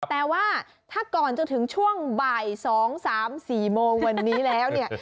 แต่ว่าถ้าก่อนจะถึงช่วงบ่าย๒๓๔โมงวันนี้แล้วเนี่ย